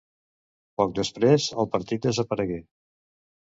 Poc després, el partit desaparegué.